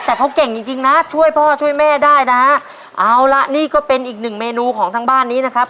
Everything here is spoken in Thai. แต่เขาเก่งจริงจริงนะช่วยพ่อช่วยแม่ได้นะฮะเอาละนี่ก็เป็นอีกหนึ่งเมนูของทางบ้านนี้นะครับ